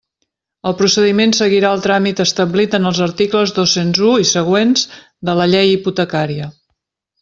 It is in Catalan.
El procediment seguirà el tràmit establit en els articles dos-cents u i següents de la Llei Hipotecària.